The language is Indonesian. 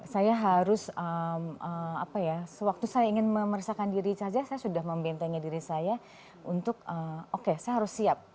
saya harus apa ya sewaktu saya ingin memeriksakan diri saja saya sudah membentengi diri saya untuk oke saya harus siap